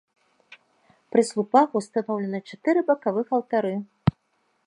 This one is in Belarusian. Пры слупах ўстаноўлены чатыры бакавых алтары.